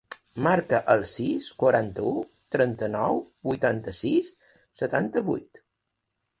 Marca el sis, quaranta-u, trenta-nou, vuitanta-sis, setanta-vuit.